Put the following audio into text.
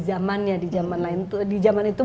zamannya di zaman itu